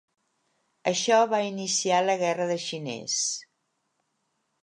Això va iniciar la Guerra de Shiners.